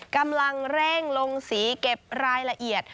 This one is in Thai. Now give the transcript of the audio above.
กำลังเร่งลงสีเก็บรายละเอียด